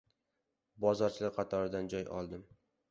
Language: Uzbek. Bozorchilar qatoridan joy oldim.